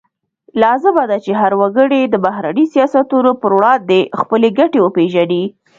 لازمه ده چې هر وګړی د بهرني سیاستونو پر وړاندې خپلې ګټې وپیژني